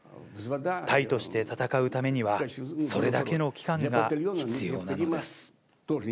隊として戦うためには、それだけの期間が必要なのです。